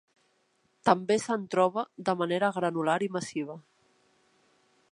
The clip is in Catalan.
També se'n troba de manera granular i massiva.